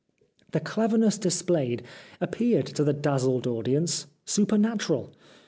The clever ness displayed appeared to the dazzled audience supernatural.